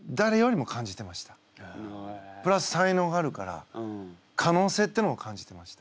プラス才能があるから可能性ってのを感じてました。